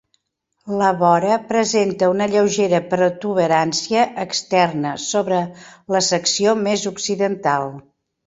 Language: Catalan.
La vora presenta una lleugera protuberància externa, sobre la secció més occidental.